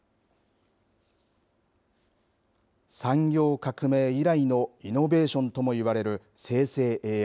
産業革命以来のイノベーションとも言われる生成ＡＩ。